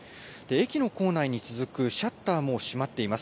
駅の構内に続くシャッターも閉まっています。